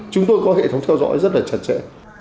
chúng tôi có hệ thống theo dõi rất là chặt chẽ